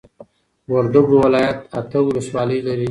وردوګو ولايت اته ولسوالۍ لري